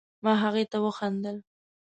ما هغې ته وخندل